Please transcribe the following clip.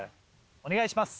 お願いします。